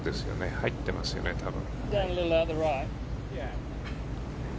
入ってますよね、多分。